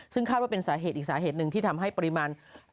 ซึ่งคาดว่าเป็นสาเหตุอีกสาเหตุหนึ่งที่ทำให้ปริมาณ